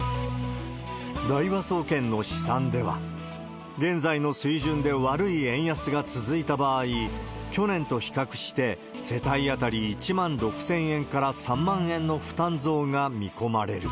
大和総研の試算では、現在の水準で悪い円安が続いた場合、去年と比較して、世帯当たり１万６０００円から３万円の負担増が見込まれる。